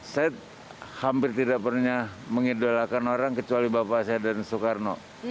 saya hampir tidak pernah mengidolakan orang kecuali bapak saya dan soekarno